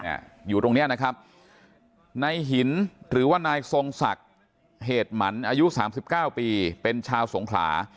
อยู่ตรงเนี้ยนะครับนายหินหรือว่านายทรงศักดิ์เหตุหมันอายุสามสิบเก้าปีเป็นชาวสงขลา